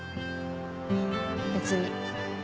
別に。